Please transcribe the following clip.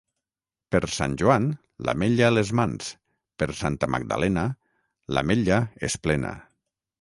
Per Sant Joan, l'ametlla a les mans; per Santa Magdalena l'ametlla és plena.